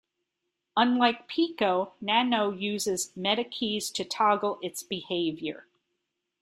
Unlike Pico, nano uses meta keys to toggle its behavior.